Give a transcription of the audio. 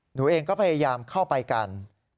หนูเองก็พยายามเข้าไปกัน